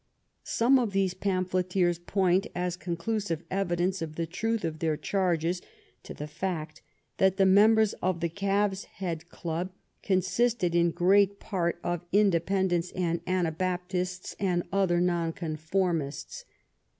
Some of these pamphleteers point, as con clusive evidence of the truth of their charges, to the fact that the members of the Calves' Head Club con sisted in great part of Independents and Anabaptists and other Nonconformists.